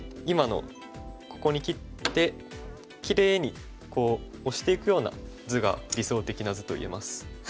今のここに切ってきれいにこうオシていくような図が理想的な図と言えます。